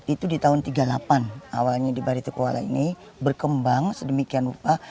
itu di tahun seribu sembilan ratus tiga puluh delapan awalnya di baritokwala ini berkembang sedemikian rupa